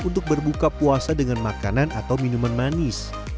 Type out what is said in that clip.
untuk berbuka puasa dengan makanan atau minuman manis